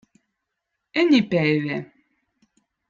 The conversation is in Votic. Enipäive